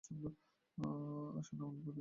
আসোনা, অল্প একটু।